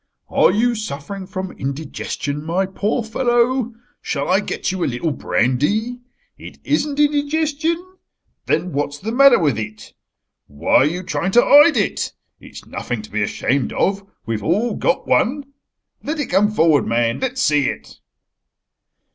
"Are you suffering from indigestion, my poor fellow? Shall I get you a little brandy? It isn't indigestion. Then what's the matter with it? Why are you trying to hide it? It's nothing to be ashamed of. We've all got one. Let it come forward man. Let's see it."